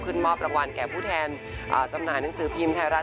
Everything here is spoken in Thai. มอบรางวัลแก่ผู้แทนจำหน่ายหนังสือพิมพ์ไทยรัฐ